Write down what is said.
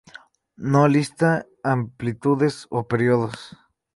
No lista amplitudes o períodos.